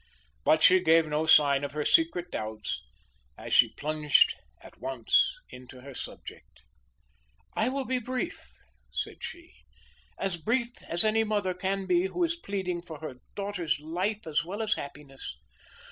But she gave no sign of her secret doubts, as she plunged at once into her subject. "I will be brief," said she; "as brief as any mother can be who is pleading for her daughter's life as well as happiness.